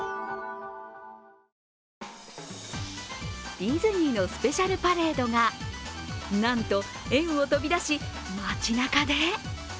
ディズニーのスペシャルパレードが、なんと園を飛び出し、街中で？